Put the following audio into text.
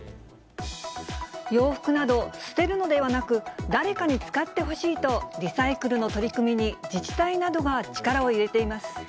洋服など捨てるのではなく、誰かに使ってほしいと、リサイクルの取り組みに自治体などが力を入れています。